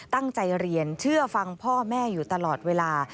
ตั้งใจเรียนเชื่อฟังพ่อแม่อยู่ตลอดเวลา